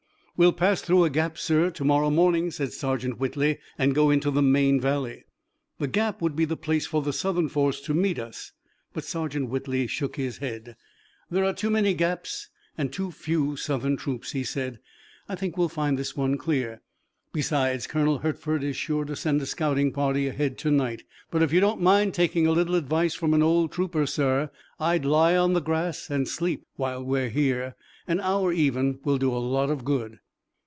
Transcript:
"We'll pass through a gap, sir, tomorrow morning," said Sergeant Whitley, "and go into the main valley." "The gap would be the place for the Southern force to meet us." But Sergeant Whitley shook his head. "There are too many gaps and too few Southern troops," he said. "I think we'll find this one clear. Besides, Colonel Hertford is sure to send a scouting party ahead tonight. But if you don't mind taking a little advice from an old trooper, sir, I'd lie on the grass and sleep while we're here. An hour even will do a lot of good."